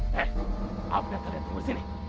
hei aku lihat ada yang tunggu di sini